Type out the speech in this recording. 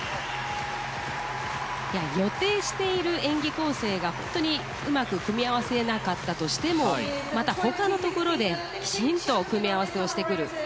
予定している演技構成がうまく組み合わせられなかったとしてもまた他のところできちんと組み合わせしてくる。